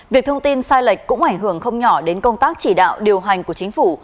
việc thông tin sai lệch cũng ảnh hưởng không nhỏ đến công tác chỉ đạo điều hành của chính phủ